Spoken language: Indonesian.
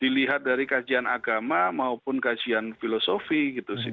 dilihat dari kajian agama maupun kajian filosofi gitu sih